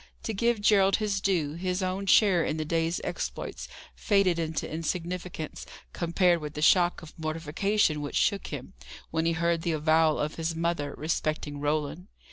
To give Gerald his due, his own share in the day's exploits faded into insignificance, compared with the shock of mortification which shook him, when he heard the avowal of his mother, respecting Roland.